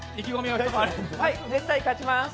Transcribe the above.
絶対勝ちます。